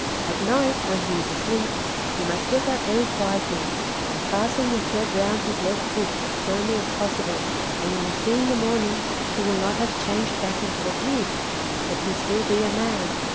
At night, when he is asleep, you must get up very quietly, and fasten the thread round his left foot as firmly as possible; and you will see in the morning he will not have changed back into a Pig, but will still be a man.